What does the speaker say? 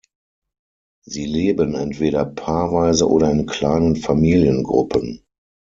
Sie leben entweder paarweise oder in kleinen Familiengruppen.